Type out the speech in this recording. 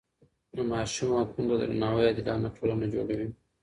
د ماشوم حقونو ته درناوی عادلانه ټولنه جوړوي.